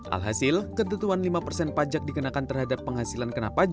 alhasil ketentuan lima persen pajak dikenakan terhadap penghasilan